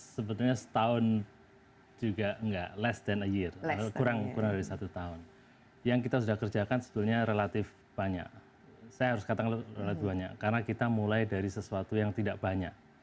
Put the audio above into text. sebetulnya setahun juga enggak less dan a year kurang dari satu tahun yang kita sudah kerjakan sebetulnya relatif banyak saya harus katakan relatif banyak karena kita mulai dari sesuatu yang tidak banyak